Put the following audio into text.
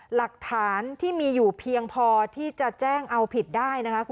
หลักฐานที่มีอยู่เพียงพอที่จะแจ้งเอาผิดได้นะคะ